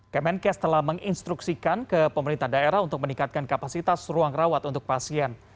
kemenkes telah menginstruksikan ke pemerintah daerah untuk meningkatkan kapasitas ruang rawat untuk pasien